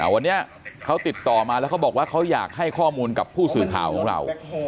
วันนี้เขาติดต่อมาแล้วเขาบอกว่าเขาอยากให้ข้อมูลกับผู้สื่อข่าวของเรา